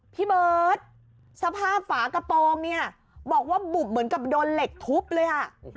พี่เบิร์ตสภาพฝากระโปรงเนี่ยบอกว่าบุบเหมือนกับโดนเหล็กทุบเลยอ่ะ